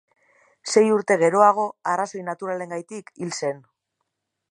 Sei urte geroago arrazoi naturalengatik hil zen.